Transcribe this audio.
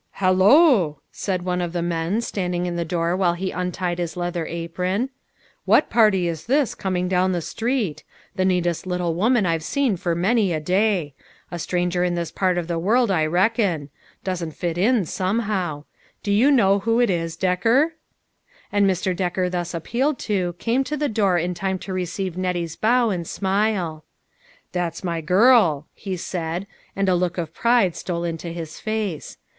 " Halloo !" said one of the men, standing in the door while he untied his leather apron. " What party is this coming down the street ? The neatest little woman I've seen for many a day. A stranger in this part of the world, I reckon. Doesn't fit in, somehow. Do you know who it is, Decker ?" And Mr. Decker, thus appealed to, came to the door in time to receive Nettie's bow and smile. " That's my girl," he said, and a look of pride HOW IT SUCCEEDED. 121 stole into his face.